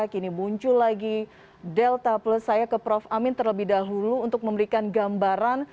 kini muncul lagi delta plus saya ke prof amin terlebih dahulu untuk memberikan gambaran